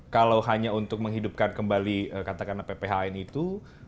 kalau hanya untuk menghidupkan kembali katakanlah pph ini itu